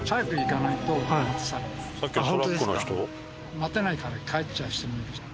待てないから帰っちゃう人もいるしね。